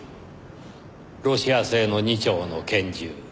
ロシア製の２丁の拳銃。